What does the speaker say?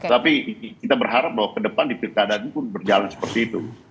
tapi kita berharap bahwa ke depan di pilkada ini pun berjalan seperti itu